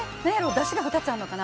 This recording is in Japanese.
ダシが２つあるのかな？